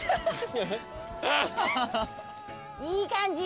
いい感じ。